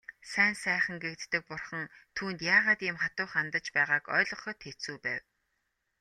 Сайн сайхан гэгддэг бурхан түүнд яагаад ийм хатуу хандаж байгааг ойлгоход хэцүү байв.